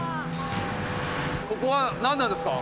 ここはなんなんですか？